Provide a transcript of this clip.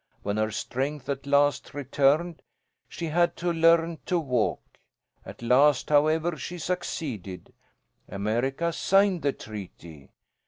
When her strength at last returned, she had to learn to walk. At last, however, she succeeded. America signed the treaty.